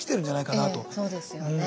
そうですよね。